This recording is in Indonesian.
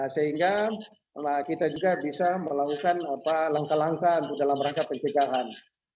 sehingga kita juga bisa melakukan langkah langkah dalam rangka pencegahan